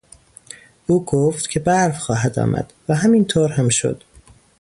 او گفت که برف خواهد آمد و همین طور هم شد!